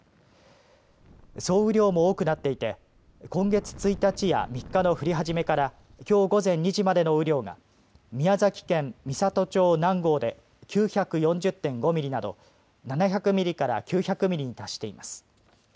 総雨量も多くなっていて今月１日や３日の降り始めからきょう午前２時までの雨量が宮崎県美郷町南郷で９４０．５ミリなど７００ミリから９００ミリに達しています。